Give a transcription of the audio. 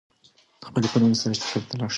د خپلې کورنۍ سره چکر ته لاړ شئ.